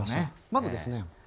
まずですね